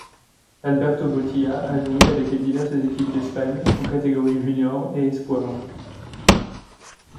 Alberto Botía a joué avec les diverses équipes d'Espagne en catégorie junior et espoirs.